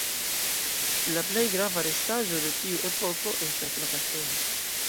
La plej grava restaĵo de tiu epoko estas la kastelo.